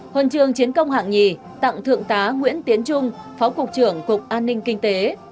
huân trường chiến công hạng nhì tặng thượng tá nguyễn tiến trung phó cục trưởng cục an ninh kinh tế